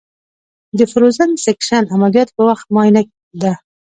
د فروزن سیکشن عملیاتو په وخت معاینه ده.